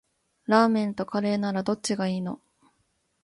ラーメンとカレーならどっちがいいの？